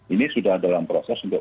ini sudah dalam proses untuk